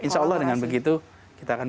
insya allah dengan begitu kita akan